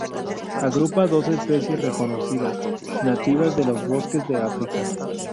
Agrupa a dos especies reconocidas, nativas de los bosques de África.